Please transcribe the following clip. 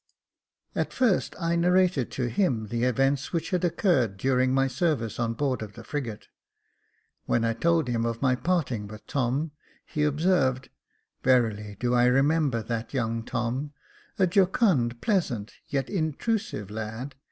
At first I narrated to him the events which had occurred during my service on board of the frigate. When I told him of my parting with Tom, he observed, " Verily do I remember that young Tom, a jocund, pleasant, yet in trusive lad.